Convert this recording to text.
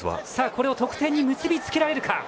これを得点に結び付けられるか。